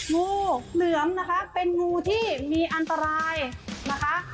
งูเหลือมนะคะเป็นงูที่มีอันตรายนะคะ